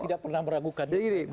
saya tidak pernah meragukan